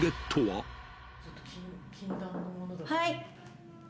はい。